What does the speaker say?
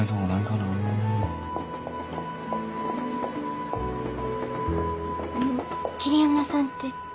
あの桐山さんって？